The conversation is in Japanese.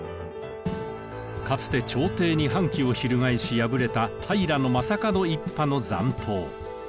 かつて朝廷に反旗を翻し敗れた平将門一派の残党。